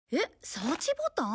サーチボタン？